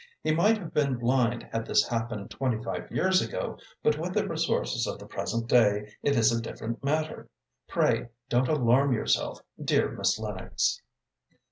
"He might have been blind had this happened twenty five years ago, but with the resources of the present day it is a different matter. Pray don't alarm yourself, dear Miss Lennox."